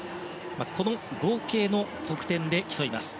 この合計の得点で競います。